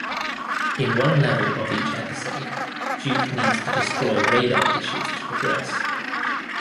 In one level of each episode Duke needs to destroy radar dishes to progress.